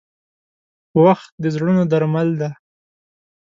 • وخت د زړونو درمل دی.